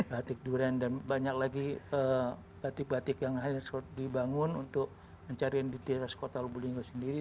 batik durian dan banyak lagi batik batik yang dibangun untuk mencari identitas kota lubu lingga sendiri